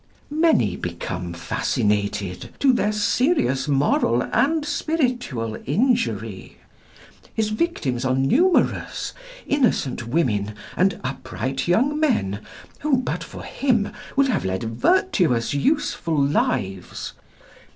Many become fascinated to their serious moral and spiritual injury. His victims are numerous; innocent women and upright young men, who, but for him, would have led virtuous, useful lives.